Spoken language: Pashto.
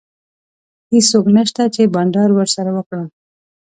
هیڅوک نشته چي بانډار ورسره وکړم.